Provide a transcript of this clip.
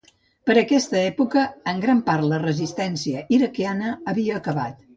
Per aquesta època, en gran part la resistència iraquiana havia acabat.